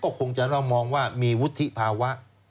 ก็คงจะต้องมองว่ามีวุฒิภาวะ